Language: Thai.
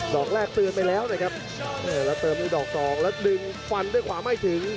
อกแรกเตือนไปแล้วนะครับแล้วเติมด้วยดอกสองแล้วดึงฟันด้วยขวาไม่ถึง